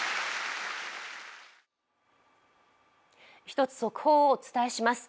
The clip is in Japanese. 一つ速報をお伝えします。